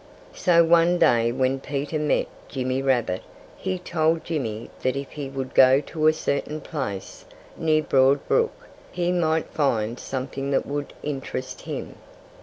So one day when Peter met Jimmy Rabbit he told Jimmy that if he would go to a certain place, near Broad Brook, he might find something that would interest him.